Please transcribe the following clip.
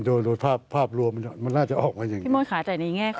โดดภาพรวมมันน่าจะออกมาอย่างนี้